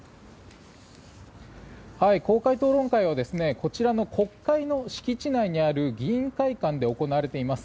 公開討論会はこちらの国会の敷地内にある議員会館で行われています。